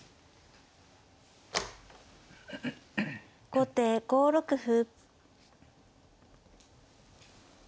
後手５六歩。